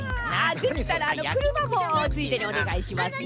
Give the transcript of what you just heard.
できたらあのくるまもついでにおねがいしますね。